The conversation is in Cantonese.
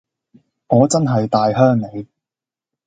我真係大鄉里